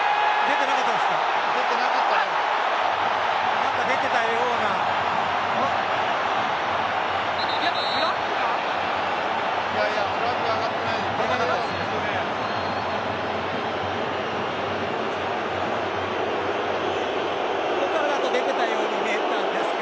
取ってなかったんですか。